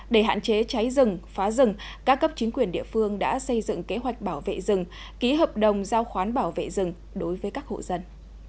để hạn chế cháy rừng phá rừng các cấp chính quyền địa phương đã xây dựng kế hoạch bảo vệ rừng ký hợp đồng giao khoán bảo vệ rừng đối với các hộ dân